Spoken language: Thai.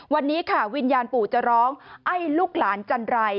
วันนี้ค่ะวิญญาณปู่จะร้องไอ้ลูกหลานจันไร